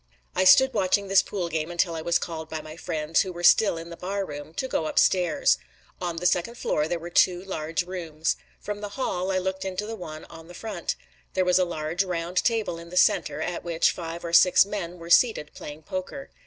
I stood watching this pool game until I was called by my friends, who were still in the bar room, to go upstairs. On the second floor there were two large rooms. From the hall I looked into the one on the front. There was a large, round table in the center, at which five or six men were seated playing poker.